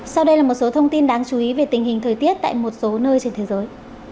sau đây là một số thông tin đáng chú ý về tình hình thời tiết tại một số nơi trên thế giới